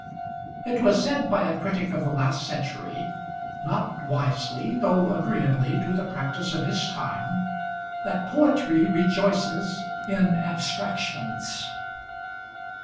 It was said by a critic of the last century, not wisely though agreeably to the practice of his time, that poetry rejoices in abstractions.